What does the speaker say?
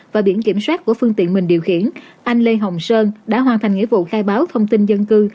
và biển kiểm soát của phương tiện mình điều khiển anh lê hồng sơn đã hoàn thành nghĩa vụ khai báo thông tin dân cư